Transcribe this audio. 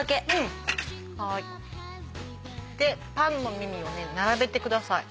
でパンの耳をね並べてください。